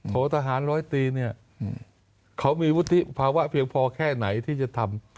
ทหารร้อยตีเนี่ยเขามีวุฒิภาวะเพียงพอแค่ไหนที่จะทำ